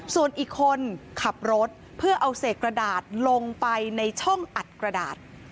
ส่วนอีกคนขับรถเพื่อเอาเศษกระดาษลงไปในช่องอัดกระดาษ